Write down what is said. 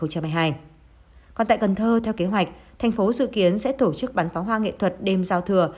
còn tại cần thơ theo kế hoạch thành phố dự kiến sẽ tổ chức bắn pháo hoa nghệ thuật đêm giao thừa